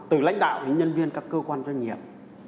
từ lãnh đạo đến nhân viên các cơ quan doanh nghiệp